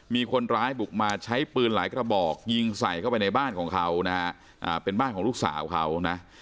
มีคนร้ายบุกมาใช้ปืนหลายกระบอกยิงใส่เข้าไปในบ้านของเขานะฮะเป็นบ้านของลูกสาวเขานะ